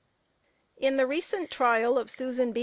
In the recent trial of Susan B.